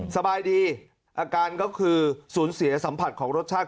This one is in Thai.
สบายดีอาการก็คือสูญเสียสัมผัสของรสชาติ